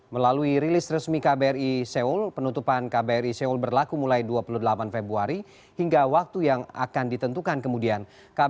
melalui rilis resmi kbri seoul penutupan kbri seoul berlaku mulai dua puluh delapan februari hingga waktu yang akan ditentukan kemudian